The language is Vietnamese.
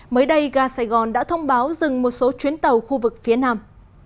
mới đây ga sài gòn đã thông báo dừng một số chuyến tàu khu vực phía nam